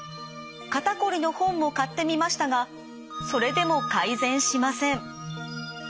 肩こりの本も買ってみましたがそれでも改善しません。